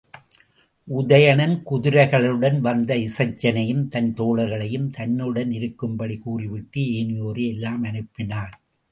உதயணன் குதிரைகளுடன் வந்த இசைச்சனையும் தன் தோழர்களையும் தன்னுடனிருக்கும்படி கூறிவிட்டு ஏனையோரை எல்லாம் அனுப்பினான்.